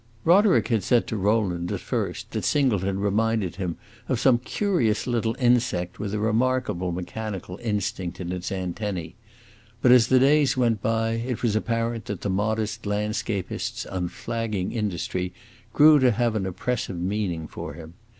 Roderick had said to Rowland, at first, that Singleton reminded him of some curious little insect with a remarkable mechanical instinct in its antennae; but as the days went by it was apparent that the modest landscapist's unflagging industry grew to have an oppressive meaning for him.